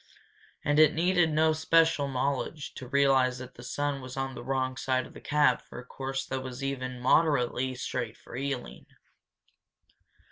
And it needed no special knowledge to realize that the sun was on the wrong side of the cab for a course that was even moderately straight for Ealing.